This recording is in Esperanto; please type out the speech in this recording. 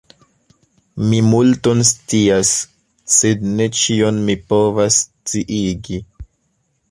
Mi multon scias, sed ne ĉion mi povas sciigi.